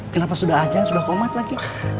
kenapa sudah aja sudah komat lagi